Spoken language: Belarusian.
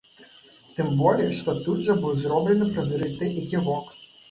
Тым болей што тут жа быў зроблены празрысты эківок.